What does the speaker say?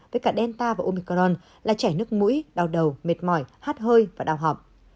với cả delta và omicron là chảy nước mũi đau đầu mệt mỏi hát hơi và đau họp